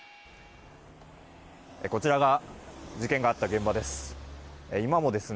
こちらが事件があった現場です。